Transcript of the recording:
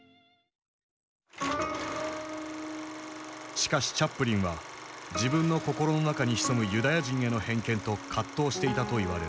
しかしチャップリンは自分の心の中に潜むユダヤ人への偏見と葛藤していたといわれる。